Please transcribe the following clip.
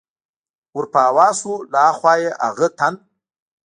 ور په هوا شو، له ها خوا یې هغه تن.